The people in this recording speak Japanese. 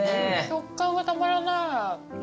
食感がたまらない。